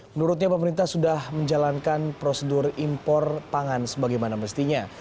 menurutnya pemerintah sudah menjalankan prosedur impor pangan sebagaimana mestinya